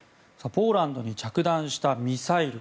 ポーランドに着弾したミサイル。